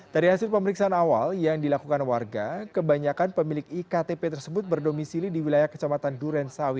dari hasil pemeriksaan awal yang dilakukan warga kebanyakan pemilik iktp tersebut berdomisili di wilayah kecamatan durensawi